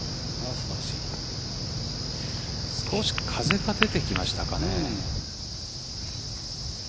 少し風が出てきましたかね。